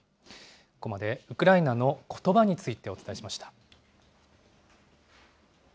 ここまでウクライナのことばについてお伝えしました。